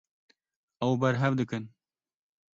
Ew berhev dikin.